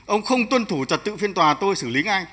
ông không tuân thủ trật tự phiên tòa tôi xử lý ngay